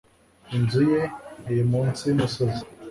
Inzu ye iri munsi yumusozi.